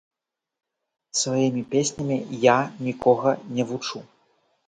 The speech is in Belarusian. Сваімі песнямі я нікога не вучу.